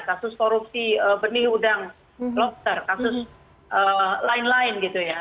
kasus korupsi benihudang lopter kasus lain lain gitu ya